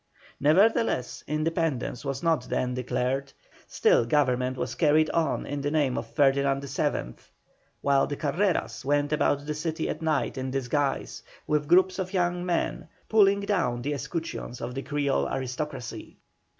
Nevertheless independence was not then declared, still government was carried on in the name of Ferdinand VII., while the Carreras went about the city at night in disguise, with groups of young men, pulling down the escutcheons of the Creole aristocracy.